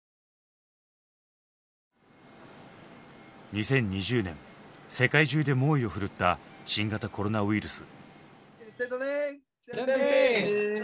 ２０２０年世界中で猛威をふるった新型コロナウイルス。